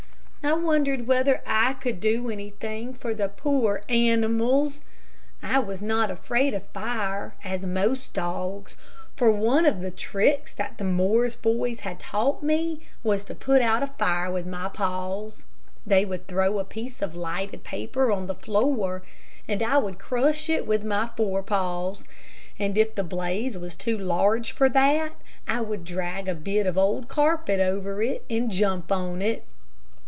I wondered whether I could do anything for the poor animals. I was not afraid of fire, as most dogs, for one of the tricks that the Morris boys had taught me was to put out a fire with my paws. They would throw a piece of lighted paper on the floor, and I would crush it with my forepaws; and If the blaze was too large for that, I would drag a bit of old carpet over it and jump on it.